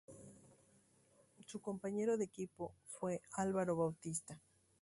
Su compañero de equipo fue Álvaro Bautista.